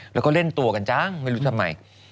แล้วก็เล่นตัวกันจังไม่รู้ทำไม